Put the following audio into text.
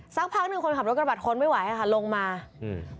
สักพักหนึ่งคนขับรถกระบะทนไม่ไหวอ่ะค่ะลงมาอืม